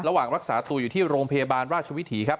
ระหว่างรักษาตัวอยู่ที่โรงพยาบาลราชวิถีครับ